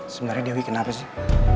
sebenernya dewi kenapa sih